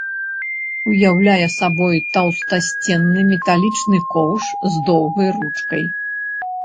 Уяўляе сабой таўстасценны металічны коўш з доўгай ручкай.